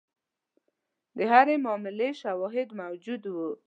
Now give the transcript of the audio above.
د هرې معاملې شواهد موجود وو.